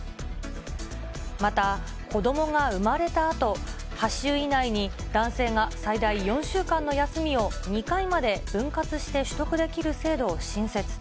また子どもが生まれたあと、８週以内に男性が最大４週間の休みを２回まで分割して取得できる制度を新設。